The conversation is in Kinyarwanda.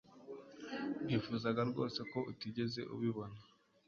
Nifuzaga rwose ko utigeze ubibona